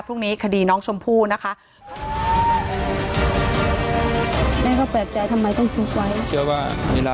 พรุ่งนี้คดีน้องชมพู่นะคะ